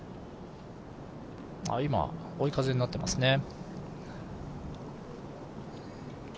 今、追い風になっていますね。